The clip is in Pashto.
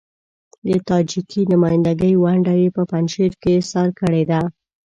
د تاجکي نمايندګۍ ونډه يې په پنجشیر کې اېسار کړې ده.